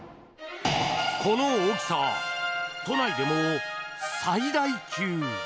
この大きさ、都内でも最大級。